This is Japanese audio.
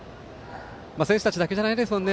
選手たちだけじゃないですもんね。